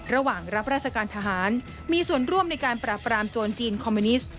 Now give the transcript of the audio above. รับราชการทหารมีส่วนร่วมในการปราบรามโจรจีนคอมมิวนิสต์